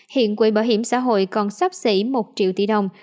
hiện quỹ bảo hiểm xã hội còn sắp xỉ một triệu tỷ đồng